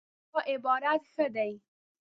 دا عبارت ښه دی